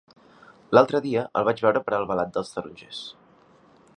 L'altre dia el vaig veure per Albalat dels Tarongers.